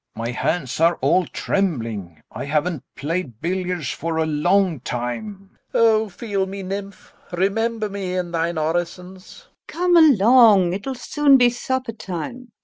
GAEV. My hands are all trembling; I haven't played billiards for a long time. LOPAKHIN. Oh, feel me, nymph, remember me in thine orisons. LUBOV. Come along; it'll soon be supper time.